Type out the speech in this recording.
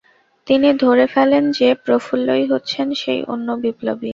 তিনি ধরে ফেলেন যে, প্রফুল্লই হচ্ছেন সেই অন্য বিপ্লবী।